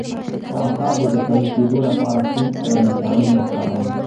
د اعصابو د قوي کیدو لپاره کوم ویټامین وکاروم؟